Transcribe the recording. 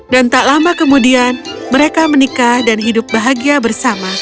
dan tak lama kemudian mereka menikah dan hidup bahagia bersama